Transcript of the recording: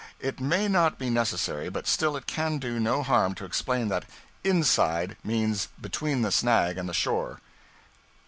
It may not be necessary, but still it can do no harm to explain that 'inside' means between the snag and the shore.